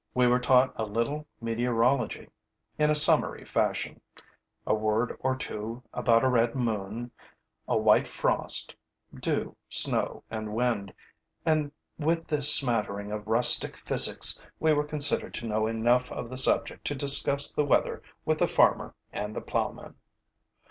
We were taught a little meteorology, in a summary fashion: a word or two about a red moon, a white frost, dew, snow and wind; and, with this smattering of rustic physics, we were considered to know enough of the subject to discuss the weather with the farmer and the plowman.